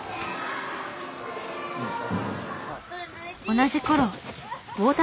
同じ頃。